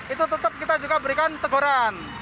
itu tetap kita juga berikan teguran